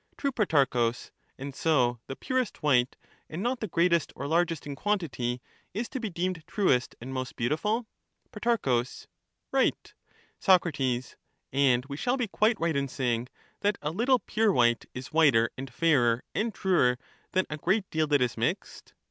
True, Protarchus ; and so the purest white, and not the greatest or largest in quantity, is to be deemed truest and most beautiful? Pro. Right. Soc. And we shall be quite right in saying that a little pure white is whiter and fairer and truer than a great deal that is mixed.